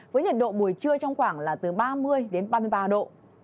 với nhiệt độ buổi trưa trong khoảng là từ ba mươi đến ba mươi ba độ